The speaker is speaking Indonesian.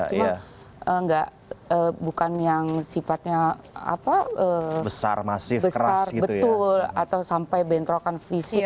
cuma bukan yang sifatnya besar betul atau sampai bentrokan fisik